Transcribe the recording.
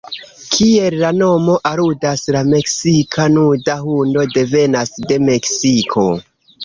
Kiel la nomo aludas, la meksika nuda hundo devenas de Meksiko.